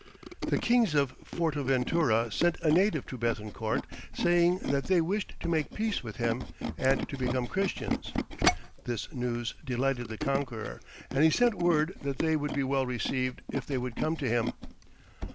The kings of Fortaventura sent a native to Béthencourt saying that they wished to make peace with him, and to become Christians. This news delighted the conqueror, and he sent word that they would be well received if they would come to him.